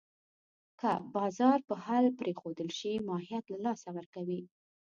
که بازار په حال پرېښودل شي، ماهیت له لاسه ورکوي.